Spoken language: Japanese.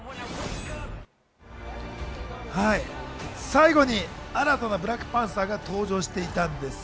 最後に新たなブラックパンサーが登場していたんです。